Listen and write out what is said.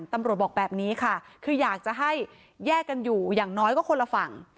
บอกแบบนี้ค่ะคืออยากจะให้แยกกันอยู่อย่างน้อยก็คนละฝั่ง